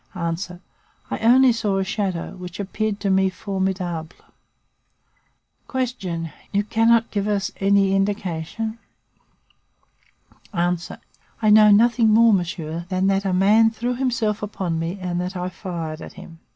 I only saw a shadow which appeared to me formidable. "Q. You cannot give us any indication? "A. I know nothing more, monsieur, than that a man threw himself upon me and that I fired at him.